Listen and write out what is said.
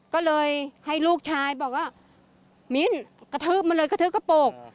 ก็เลยให้ลูกชายบอกว่ามิ้นกระทืบมาเลยกระทืบกระโปรก